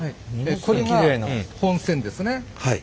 これが本船ですね。